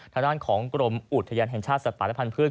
ทางด้านของกรมอุทยานแห่งชาติสัตว์ป่าและพันธุ์